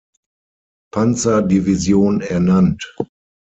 Panzer-Division ernannt.